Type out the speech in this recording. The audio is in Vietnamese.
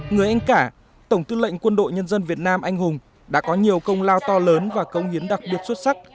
người anh cả tổng tư lệnh quân đội nhân dân việt nam anh hùng đã có nhiều công lao to lớn và công hiến đặc biệt xuất sắc